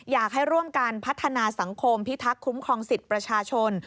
อยากให้ร่วมกันพัฒนาสังคมพิทักษ์คุ้มครองสิทธิ์ประชาชน